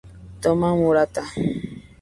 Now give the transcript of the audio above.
Toma Murata